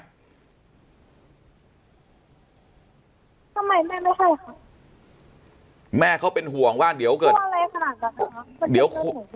ทำไมแม่ไม่ให้แม่เขาเป็นห่วงว่าเดี๋ยวเดี๋ยวเดี๋ยว